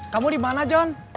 kamu dimana john